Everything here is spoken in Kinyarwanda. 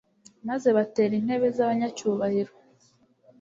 maze batera intebe z'abanyacyubahiro